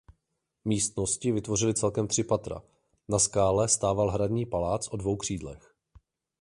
Místnosti vytvořily celkem tři patra.. Na skále stával hradní palác o dvou křídlech.